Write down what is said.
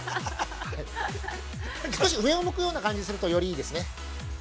◆少し上を向くような感じにするとよりいいですね。